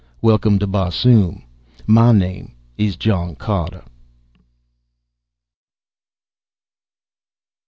"Welcome to Barsoom! My name is John Carter."